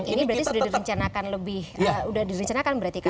ini berarti sudah direncanakan lebih sudah direncanakan berarti kan